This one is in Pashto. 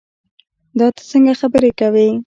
دا تۀ څنګه خبرې کوې